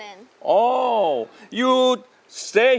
เพื่อนรักไดเกิร์ต